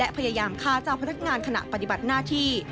พยายามฆ่าเจ้าพนักงานขณะปฏิบัติหน้าที่